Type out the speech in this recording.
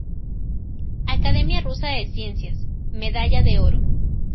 Academia Rusa de Ciencias, Medalla de Oro